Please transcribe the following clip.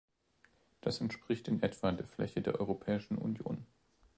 Das entspricht in etwa der Fläche der Europäischen Union.